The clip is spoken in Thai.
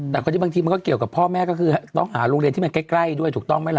แต่คนที่บางทีมันก็เกี่ยวกับพ่อแม่ก็คือต้องหาโรงเรียนที่มันใกล้ด้วยถูกต้องไหมล่ะ